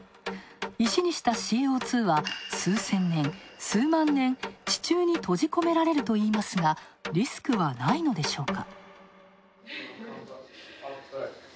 石にしたＣＯ２は数千年、数万年、地中に閉じ込められるといいますがリスクはないのでしょうか。